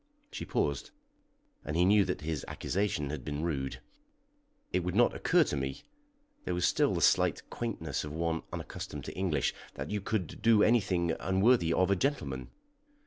She paused, and he knew that his accusation had been rude. "It would not occur to me" there was still the slight quaintness of one unaccustomed to English "that you could do anything unworthy of a gentleman."